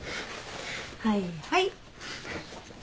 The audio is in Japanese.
はいはい。